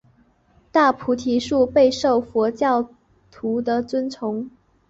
大菩提树备受佛教徒的尊崇。